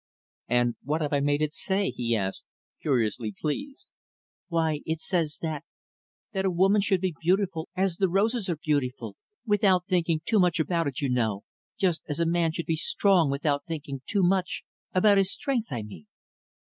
"And what have I made it say?" he asked, curiously pleased. "Why it says that that a woman should be beautiful as the roses are beautiful without thinking too much about it, you know just as a man should be strong without thinking too much about his strength, I mean."